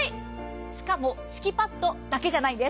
しかも、敷きパッドだけじゃないんです。